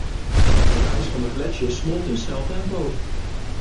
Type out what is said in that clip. Het ijs van de gletsjers smolt in sneltempo.